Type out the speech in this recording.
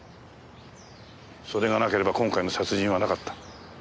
それがなければ今回の殺人はなかった。